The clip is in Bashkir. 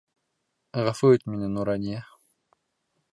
Ғәфү ит мине, Нурания.